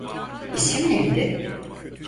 İsim neydi?